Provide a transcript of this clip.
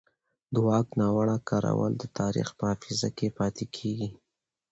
د واک ناوړه کارول د تاریخ په حافظه کې پاتې کېږي